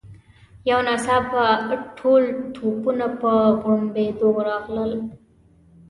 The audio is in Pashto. یو ناڅاپه ټول توپونه په غړمبېدو راغلل.